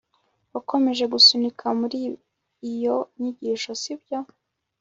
Wakomeje gusunika muri iyo nyigisho sibyo